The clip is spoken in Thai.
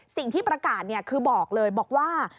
สิ่งที่ประกาศคือบอกเลยบอกว่า